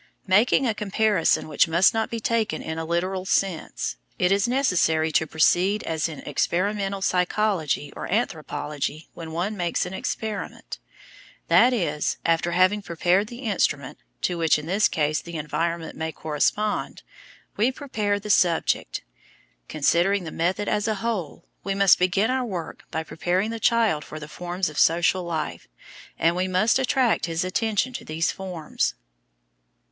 Making a comparison which must not be taken in a literal sense,–it is necessary to proceed as in experimental psychology or anthropology when one makes an experiment,–that is, after having prepared the instrument (to which in this case the environment may correspond) we prepare the subject. Considering the method as a whole, we must begin our work by preparing the child for the forms of social life, and we must attract his attention to these forms.